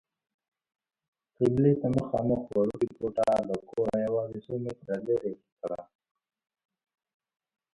قبلې ته مخامخ وړوکې کوټه له کوره یوازې څو متره لیرې پرته ده.